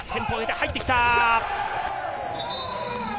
入ってきた。